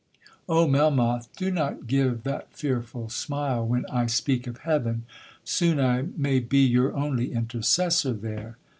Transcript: Oh! Melmoth, do not give that fearful smile when I speak of heaven—soon I may be your only intercessor there.'